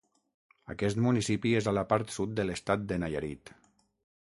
Aquest municipi és a la part sud de l'estat de Nayarit.